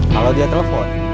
kalau dia telepon